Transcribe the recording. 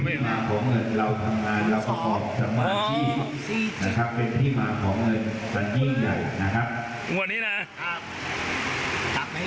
หลังของเงินเราทำงานเราประกอบจำนวนที่เป็นที่หมาของเงิน